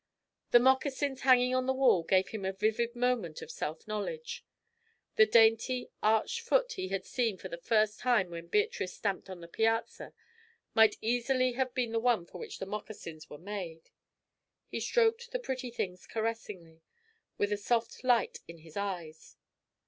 The moccasins hanging on the wall gave him a vivid moment of self knowledge. The dainty, arched foot he had seen for the first time when Beatrice stamped on the piazza, might easily have been the one for which the moccasins were made. He stroked the pretty things caressingly, with a soft light in his eyes.